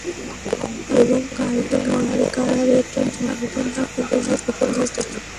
এবং কাল তো মার্গারেটের জন্মদিন না, কিন্তু সে পুতুলনাচ দেখতে যেতে চায়।